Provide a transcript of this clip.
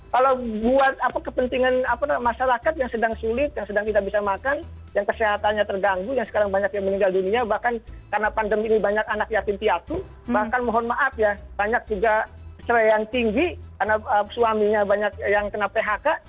kalau buat kepentingan masyarakat yang sedang sulit yang sedang tidak bisa makan yang kesehatannya terganggu yang sekarang banyak yang meninggal dunia bahkan karena pandemi ini banyak anak yatim piatu bahkan mohon maaf ya banyak juga ceraian tinggi karena suaminya banyak yang kena phk